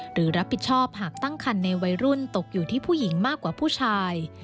หรือรับผิดชอบหากตั้งคันในวัยรุ่นตกอยู่ที่ผู้หญิงมากกว่าผู้ชาย